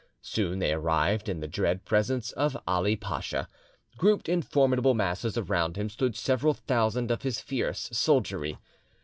Soon they arrived in the dread presence of Ali Pacha. Grouped in formidable masses around him stood several thousand of his fierce soldiery.